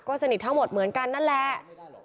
สนิททั้งหมดเหมือนกันนั่นแหละ